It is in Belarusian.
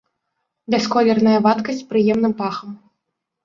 Бясколерная вадкасць з прыемным пахам.